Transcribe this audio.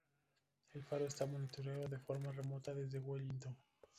El faro está monitoreado de forma remota desde Wellington.